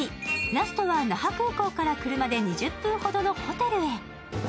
ラストは那覇空港から車で２０分ほどのホテルへ。